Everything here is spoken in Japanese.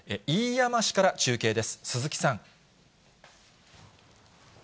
飯山市から中継です、鈴木さん。